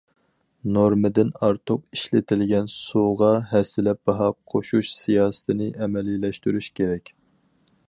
نورمىدىن ئارتۇق ئىشلىتىلگەن سۇغا ھەسسىلەپ باھا قوشۇش سىياسىتىنى ئەمەلىيلەشتۈرۈش كېرەك.